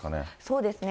そうですね。